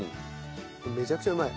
めちゃくちゃうまい。